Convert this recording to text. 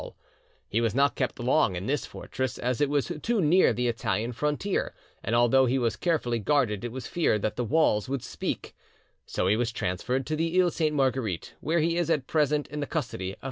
He was not kept long in this fortress, as it was 'too near the Italian frontier, and although he was carefully guarded it was feared that the walls would speak'; so he was transferred to the Iles Sainte Marguerite, where he is at present in the custody of M.